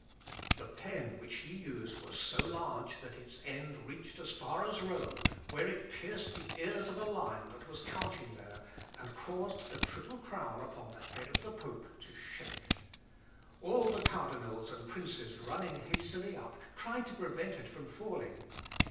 The pen which he used was so large that its end reached as far as Rome, where it pierced the ears of a lion that was couching there, and caused the triple crown upon the head of the pope to shake. All the cardinals and princes running hastily up, tried to prevent it from falling.